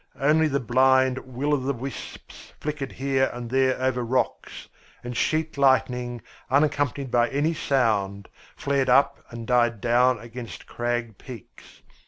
Only the blind will o' the wisps flickered here and there over rocks, and sheet lightning, unaccompanied by any sound, flared up and died down against crag peaks.